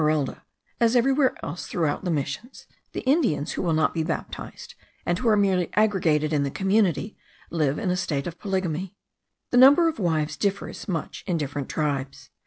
At Esmeralda, as everywhere else throughout the missions, the Indians who will not be baptized, and who are merely aggregated in the community, live in a state of polygamy. The number of wives differs much in different tribes.